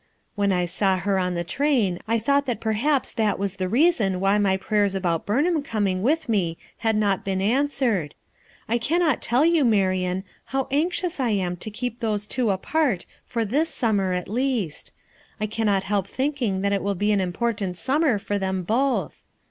When I saw her on the train I thought that perhaps that was the rea son why my prayers about Burnham coming with me had not been answered. I cannot tell you, Marian, how anxious I am to keep those two apart for this summer at least; I cannot help thinking that it will be an important sum mer for them both.